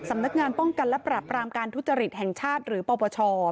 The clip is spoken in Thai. สำนักงานป้องกันและปรับรามการทุจริตแห่งชาติหรือปปช